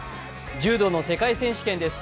柔道の世界選手権です。